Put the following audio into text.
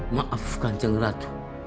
maafkan ceng ratu